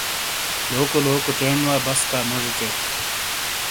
لوکو لوکو چینڈ وا بسکا موجی چیک۔